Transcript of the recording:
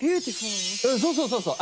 うんそうそうそうそう。